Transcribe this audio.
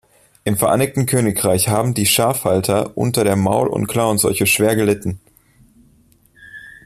Im Vereinigten Königreich haben die Schafhalter unter der Maul- und Klauenseuche schwer gelitten.